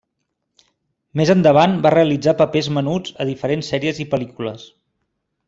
Més endavant va realitzar papers menuts a diferents sèries i pel·lícules.